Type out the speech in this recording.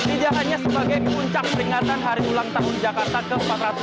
tidak hanya sebagai puncak peringatan hari ulang tahun jakarta ke empat ratus tiga puluh